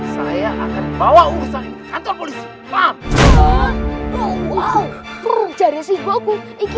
saya akan bawa urusan ini ke kantor polisi